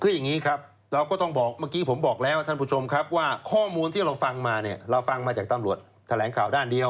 คืออย่างนี้ครับเราก็ต้องบอกเมื่อกี้ผมบอกแล้วท่านผู้ชมครับว่าข้อมูลที่เราฟังมาเนี่ยเราฟังมาจากตำรวจแถลงข่าวด้านเดียว